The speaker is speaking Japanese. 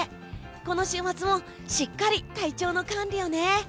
この週末もしっかり体調の管理をね。